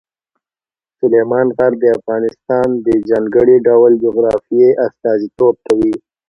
سلیمان غر د افغانستان د ځانګړي ډول جغرافیه استازیتوب کوي.